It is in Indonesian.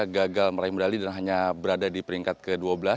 gagal meraih medali dan hanya berada di peringkat ke dua belas